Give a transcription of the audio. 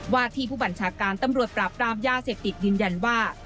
ว่าที่ผู้บัญชาการตำรวจปราบรามยาเสพติดยืนยันว่า